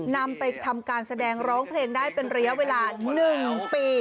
นำไปทำการแสดงร้องเพลงได้เป็นระยะเวลา๑ปี